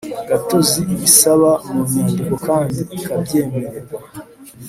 Gatozi ibisaba mu nyandiko kandi ikabyemererwa